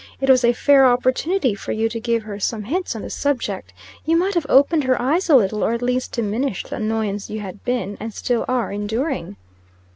It was a fair opportunity for you to give her some hints on the subject. You might have opened her eyes a little, or at least diminished the annoyance you had been, and still are enduring."